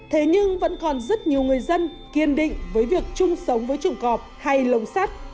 thế nhưng vẫn còn rất nhiều người dân kiên định với việc chung sống với trùng cọp hay lồng sắt